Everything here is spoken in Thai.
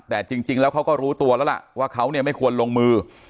แต่จริงแล้วเขาก็รู้ตัวแล้วล่ะว่าเขาเนี่ยไม่ควรลงมือ